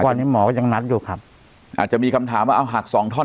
วันนี้หมอก็ยังนัดอยู่ครับอาจจะมีคำถามว่าเอาหักสองท่อน